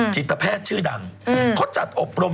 จิตแพทย์ชื่อดังเขาจัดอบรม